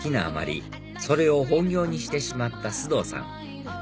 あまりそれを本業にしてしまった須藤さん